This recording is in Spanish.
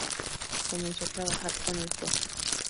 Comenzó a trabajar con el Prof.